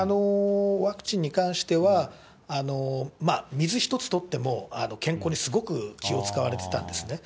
ワクチンに関しては、水一つとっても健康にすごく気を使われてたんですね。